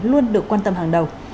luôn được quan tâm hàng đầu